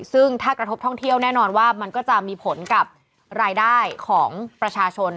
ซึ่งถ้ากระทบท่องเที่ยวแน่นอนว่ามันก็จะมีผลกับรายได้ของประชาชน